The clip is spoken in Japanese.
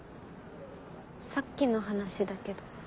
さっきの話だけど。